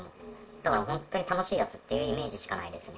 だから本当に楽しいやつっていうイメージしかないですね。